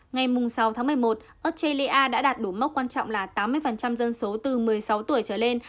ngày sáu tháng một mươi một australia đã đạt đủ mốc quan trọng là tám mươi dân số từ một mươi sáu tuổi trở lên